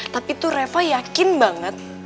tapi tuh reva yakin banget